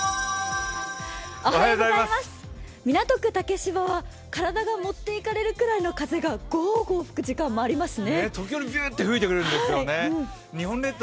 港区竹芝は体が持っていかれるぐらいの風がごうごう吹く時間もありますね。